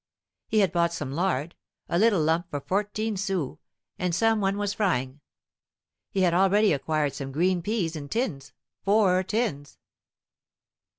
He had bought some lard a little lump for fourteen sous and some one was frying. He had also acquired some green peas in tins, four tins.